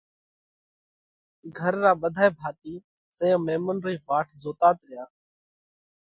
گھر را ٻڌائي ڀاتِي زئيون ميمونَ رئي واٽ زوتات ريا،